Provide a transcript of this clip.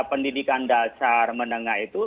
pendidikan dasar menengah itu